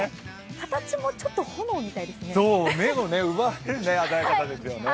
形もちょっと炎みたいですよね。